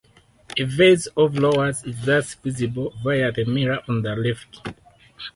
A vase of lowers is thus visible via the mirror on the left.